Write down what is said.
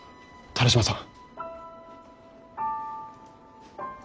田良島さん！